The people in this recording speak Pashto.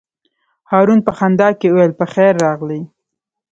هارون په خندا کې وویل: په خیر راغلې.